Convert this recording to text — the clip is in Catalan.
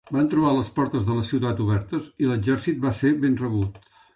Van trobar les portes de la ciutat obertes, i l'exèrcit va ser ben rebut.